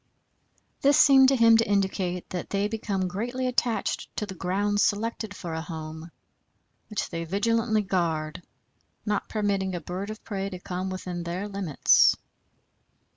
This seemed to him to indicate that they become greatly attached to the grounds selected for a home, which they vigilantly guard, not permitting a bird of prey to come within their limits.